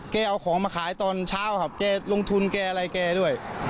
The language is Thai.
เอาของมาขายตอนเช้าครับแกลงทุนแกอะไรแกด้วย